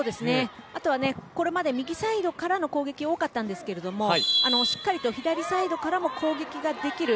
あとは、これまで右サイドからの攻撃が多かったですがしっかり左サイドからも攻撃ができる。